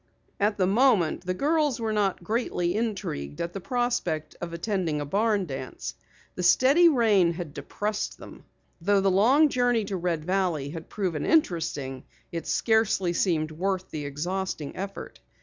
At the moment, the girls were not greatly intrigued at the prospect of attending a barn dance. The steady rain had depressed them. Though the long journey to Red Valley had proven interesting, it scarcely seemed worth the exhausting effort.